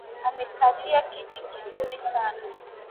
Amekalia kiti kizuri sana